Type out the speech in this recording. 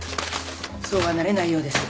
そうはなれないようです。